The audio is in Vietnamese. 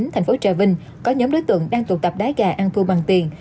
thành phố trà vinh có nhóm đối tượng đang tụ tập đá gà ăn thua bằng tiền